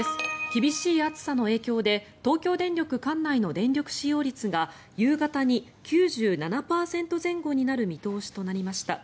厳しい暑さの影響で東京電力管内の電力使用率が夕方に９７％前後になる見通しとなりました。